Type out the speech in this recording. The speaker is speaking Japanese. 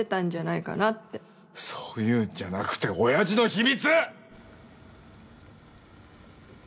そういうんじゃなくておやじの秘密！